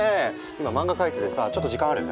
今漫画描いててさちょっと時間ある？